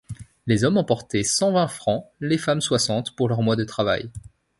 Les hommes emportaient cent vingt francs, les femmes soixante, pour leur mois de travail.